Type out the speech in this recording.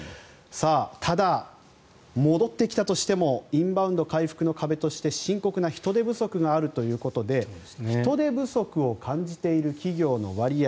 ただ、戻ってきたとしてもインバウンド回復の壁として深刻な人手不足があるということで人手不足を感じている企業の割合